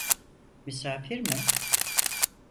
Misafir mi?